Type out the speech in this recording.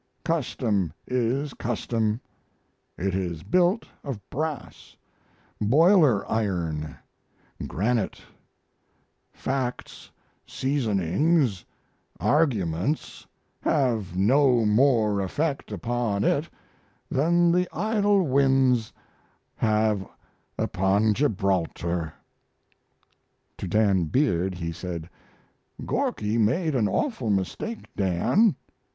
Custom is custom: it is built of brass, boiler iron, granite; facts, seasonings, arguments have no more effect upon it than the idle winds have upon Gibraltar. [To Dan Beard he said, "Gorky made an awful mistake, Dan.